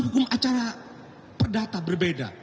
hukum acara perdata berbeda